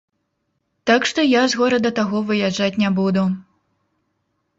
Так што я з горада таго выязджаць не буду.